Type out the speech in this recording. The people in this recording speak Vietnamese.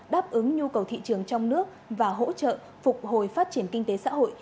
đáp ứng nhu cầu thị trường trong nước và hỗ trợ phục hồi phát triển kinh tế xã hội